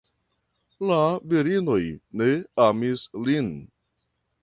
La virinoj ne amis lin.